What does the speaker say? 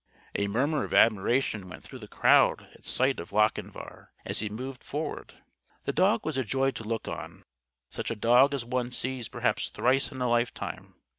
A murmur of admiration went through the crowd at sight of Lochinvar as he moved forward. The dog was a joy to look on. Such a dog as one sees perhaps thrice in a lifetime.